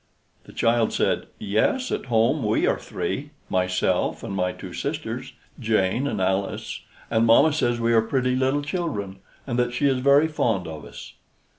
The child said, "Yes, at home, we are three myself and my two sisters, Jane and Alice; and mamma says we are pretty little children, and that she is very fond of us."